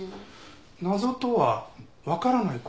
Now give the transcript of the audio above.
「謎」とはわからない事。